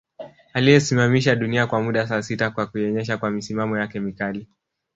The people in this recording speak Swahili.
Aliyesimamisha dunia kwa muda saa sita kwa kuienyesha kwa misimamo yake mikali